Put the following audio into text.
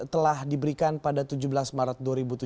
telah diberikan pada tujuh belas maret dua ribu tujuh belas